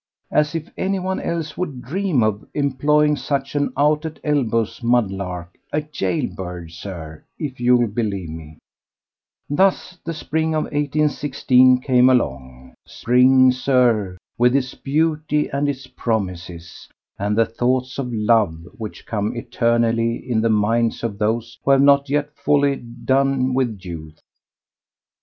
As if anyone else would dream of employing such an out at elbows mudlark—a jail bird, Sir, if you'll believe me. Thus the Spring of 1816 came along. Spring, Sir, with its beauty and its promises, and the thoughts of love which come eternally in the minds of those who have not yet wholly done with youth.